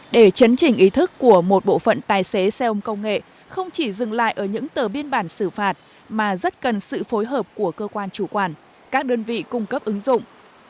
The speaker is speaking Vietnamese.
để chấn chỉnh ý thức của một bộ phận tài xế xe ôm công nghệ không chỉ dừng lại ở những tờ biên bản xử phạt mà rất cần sự phối hợp của cơ quan chủ quản các đơn vị cung cấp ứng dụng